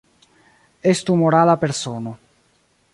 Estu morala persono.